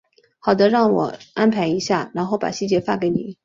好的，那让我安排一下，然后把细节发给你。